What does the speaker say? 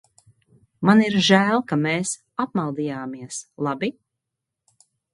Man ir žēl, ka mēs apmaldījāmies, labi?